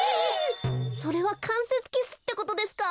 それはかんせつキスってことですか？